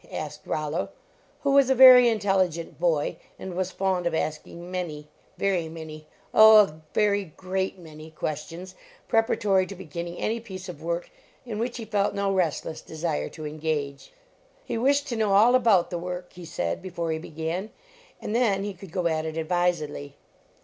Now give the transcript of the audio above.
" asked Rollo, who was a very intelligent boy and was fond of asking many, very many oh, a very great many questions preparatory to beginning an} piece of work in which he felt no restle>> desire to engage. He wished to know all about the work, he said, before he began, and then he could go at it advisedly.